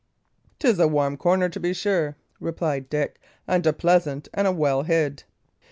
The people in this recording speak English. "'Tis a warm corner, to be sure," replied Dick, "and a pleasant, and a well hid."